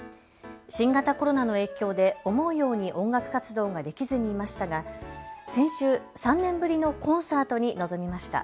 新型コロナの影響で思うように音楽活動ができずにいましたが先週、３年ぶりのコンサートに臨みました。